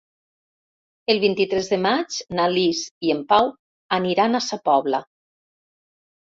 El vint-i-tres de maig na Lis i en Pau aniran a Sa Pobla.